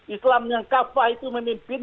islam yang kafah itu memimpin